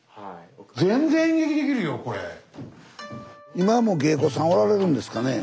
今も芸妓さんはおられるんですかね？